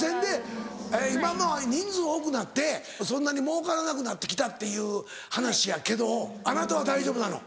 今人数多くなってそんなにもうからなくなって来たっていう話やけどあなたは大丈夫なの？